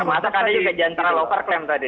masa kan juga jantral over claim tadi